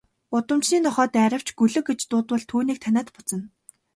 Гудамжны нохой дайравч, гөлөг гэж дуудвал түүнийг таниад буцна.